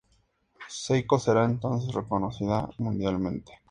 Seiko será entonces reconocida mundialmente.